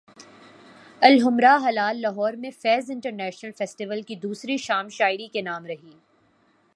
Alhamra hall Lahore میں Faiz international festival کی دوسری شام شاعری کے نام رہی